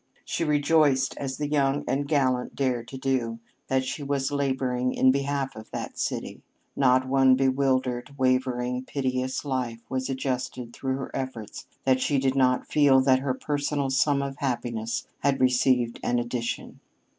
She rejoiced, as the young and gallant dare to do, that she was laboring in behalf of that city. Not one bewildered, wavering, piteous life was adjusted through her efforts that she did not feel that her personal sum of happiness had received an addition.